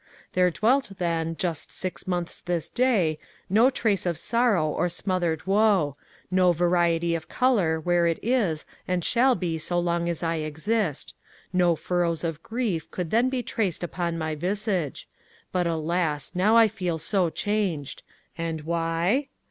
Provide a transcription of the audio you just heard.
There dwelt then, just six months this day, no trace of sorrow or smothered woe no variety of colour where it is and shall be so long as I exist no furrows of grief could then be traced upon my visage. But, alas! now I feel so changed! And why?